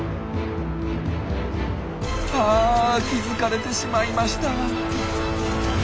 あ気付かれてしまいました。